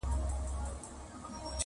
• مور تر ټولو زياته ځورېږي تل,